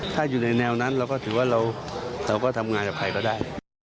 ถ้าอยู่ในแนวนั้นเราก็ถือว่าเราก็ทำงานกับใครก็ได้